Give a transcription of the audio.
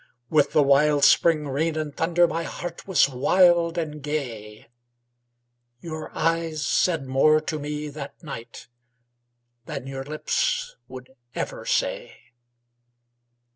With the wild spring rain and thunder My heart was wild and gay; Your eyes said more to me that night Than your lips would ever say....